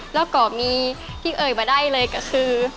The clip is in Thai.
แล้วก็มีที่เอ่ยมาได้เลยก็คือ